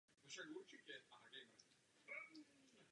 Ke změně ale v daném volebním období nedošlo.